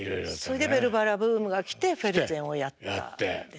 それで「ベルばら」ブームが来てフェルゼンをやったんですけど。